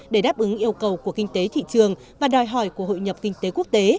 để đáp ứng yêu cầu của kinh tế thị trường và đòi hỏi của hội nhập kinh tế quốc tế